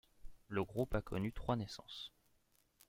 Le groupe a connu trois naissances.